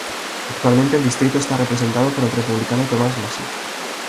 Actualmente el distrito está representado por el Republicano Thomas Massie.